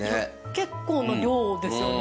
結構な量ですよね。